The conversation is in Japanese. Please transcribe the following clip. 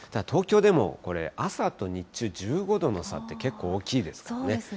東京でもこれ、朝と日中、１５度の差って、結構大きいですね。